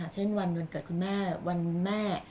เช่นวันเดือนเกิดคุณแม่วันแม่